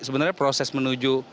sebenarnya proses menuju